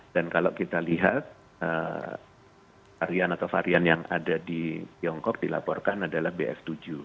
dan kalau kita lihat varian atau varian yang ada di tiongkok dilaporkan adalah bf tujuh